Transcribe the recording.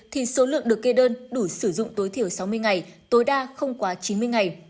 thì số lượng được kê đơn đủ sử dụng tối thiểu sáu mươi ngày tối đa không quá chín mươi ngày